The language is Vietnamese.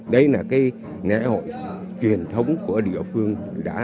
đây là cái lễ hội truyền thống của địa phương đồ sơn